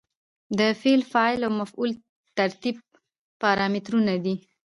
د فعل، فاعل او مفعول ترتیب پارامترونه دي.